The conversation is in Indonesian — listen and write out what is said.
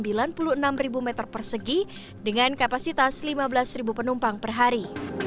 bandara ini memiliki kapasitas beratnya sembilan puluh enam m persegi dengan kapasitas lima belas penumpang per hari